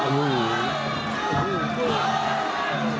โอดี